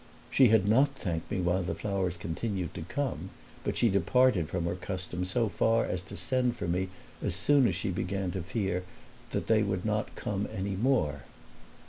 She had not thanked me while the flowers continued to come, but she departed from her custom so far as to send for me as soon as she began to fear that they would not come any more.